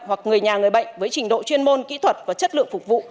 hoặc người nhà người bệnh với trình độ chuyên môn kỹ thuật và chất lượng phục vụ